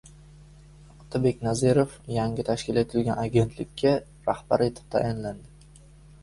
Otabek Nazirov yangi tashkil etilgan agentlikka rahbar etib tayinlandi